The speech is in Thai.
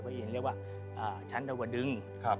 พระอินทร์เรียกว่าชั้นตะวดึง